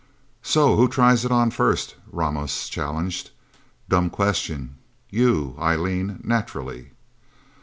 "So who tries it on first?" Ramos challenged. "Dumb question. You, Eileen naturally."